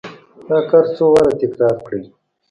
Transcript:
دا کار څو واره تکرار کړئ.